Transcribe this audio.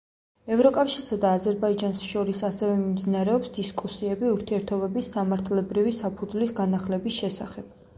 ევროკავშირსა და აზერბაიჯანს შორის ასევე მიმდინარეობს დისკუსიები ურთიერთობების სამართლებრივი საფუძვლის განახლების შესახებ.